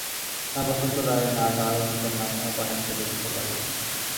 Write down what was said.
না বসন্ত রায়, না তাঁহার অনুচর, না কোন পাঠানকে দেখিতে পাইলেন।